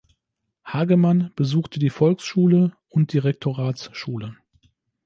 Hagemann besuchte die Volksschule und die Rektoratsschule.